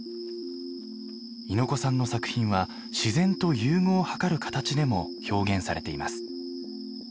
猪子さんの作品は自然と融合を図る形でも表現されています。